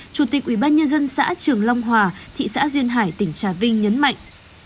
chủ tịch ủy ban nhân dân xã trường long hòa thị xã duyên hải tỉnh trà vinh nhấn mạnh